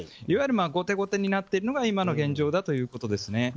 いわゆる後手後手になってるのが今の現状ということですね。